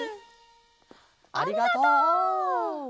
ありがとう！